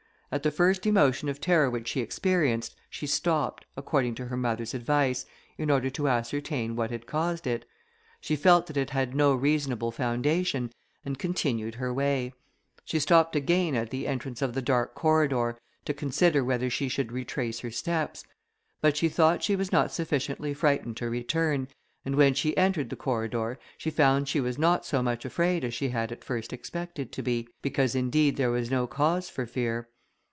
At the first emotion of terror which she experienced, she stopped, according to her mother's advice, in order to ascertain what had caused it; she felt that it had no reasonable foundation, and continued her way: she stopped again at the entrance of the dark corridor, to consider whether she should retrace her steps; but she thought she was not sufficiently frightened to return, and when she entered the corridor, she found she was not so much afraid as she had at first expected to be, because indeed there was no cause for fear.